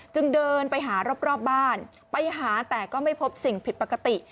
เดินไปหารอบบ้านไปหาแต่ก็ไม่พบสิ่งผิดปกติ